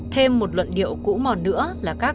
thêm một luận điệu cũ mòn nữa